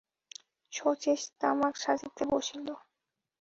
শচীশ তামাক সাজিতে বসিল।